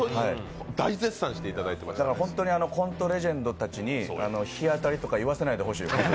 だから本当にコントレジェンドたちに日当たりとか言わせないで欲しいです。